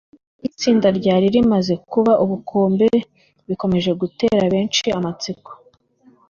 Iby’iri tsinda ryari rimaze kuba ubukombe bikomeje gutera benshi amatsiko